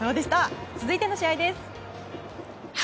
続いての試合です！